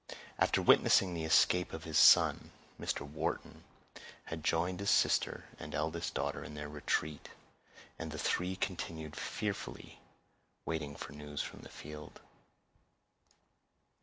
After witnessing the escape of his son, Mr. Wharton had joined his sister and eldest daughter in their retreat, and the three continued fearfully waiting for news from the field.